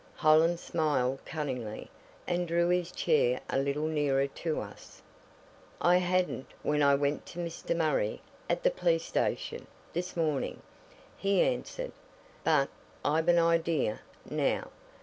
Hollins smiled cunningly, and drew his chair a little nearer to us. "I hadn't when I went to Mr. Murray, at the police station, this morning," he answered. "But I've an idea, now.